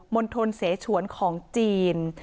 ณฑลเสฉวนของจีน